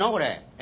え？